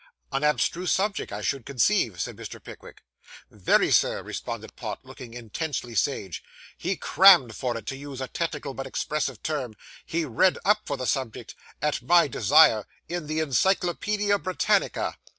'An abstruse subject, I should conceive,' said Mr. Pickwick. 'Very, Sir,' responded Pott, looking intensely sage. 'He _crammed _for it, to use a technical but expressive term; he read up for the subject, at my desire, in the "Encyclopaedia Britannica."